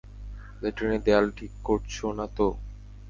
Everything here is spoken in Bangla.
ল্যাট্রিনের দেয়াল ঠিক করছো না তো?